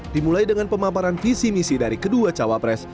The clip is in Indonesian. dimulai dengan pemaparan visi misi dari kedua cawapres